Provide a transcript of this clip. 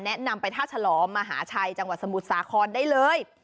แนะนำไปท่าฉลอมมหาชัยจังหวัดสมุทรสาครได้เลย